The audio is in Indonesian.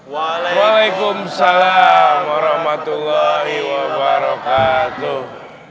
waalaikumsalam warahmatullahi wabarakatuh